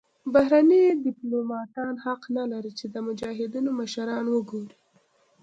بهرني دیپلوماتان حق نلري چې د مجاهدینو مشران وګوري.